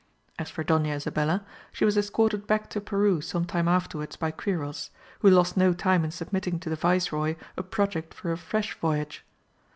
As for Doña Isabella, she was escorted back to Peru some time afterwards by Quiros, who lost no time in submitting to the viceroy a project for a fresh voyage.